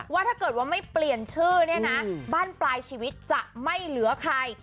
ว่าถ้าเกิดว่าไม่เปลี่ยนชื่อเนี่ยนะบ้านปลายชีวิตจะไม่เหลือใคร